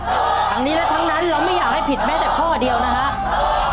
ทั้งนี้และทั้งนั้นเราไม่อยากให้ผิดแม้แต่ข้อเดียวนะครับ